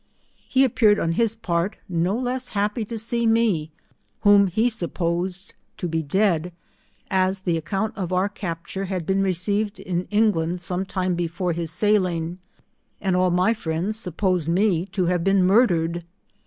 He appear ed on his part, no less happy to see me, whom he supposed to be dead, as the account of our cap ture had been received in England some time before bis sailing, and all my friends supposed me to have been murdered.